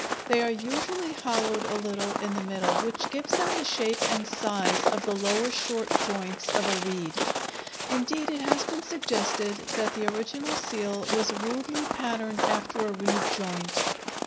They are usually hollowed a little in the middle, which gives them the shape and size of the lower short joints of a reed; indeed, it has been suggested that the original seal was rudely patterned after a reed joint.